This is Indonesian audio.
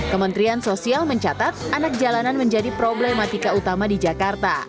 kementerian sosial mencatat anak jalanan menjadi problematika utama di jakarta